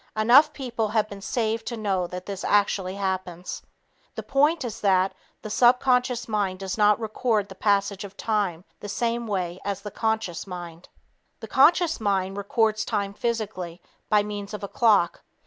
Enough people have been saved to know that this actually happens. The point is that the subconscious mind does not record the passage of time the same way as the conscious mind. The conscious mind records time physically, by means of a clock.